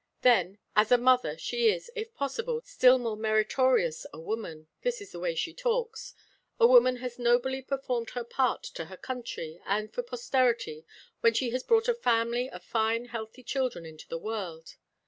Then, as a mother, she is, if possible, still more meritorious a woman (this is the way she talks): A woman has nobly performed her part to her country, and for posterity, when she has brought a family of fine healthy children into the world.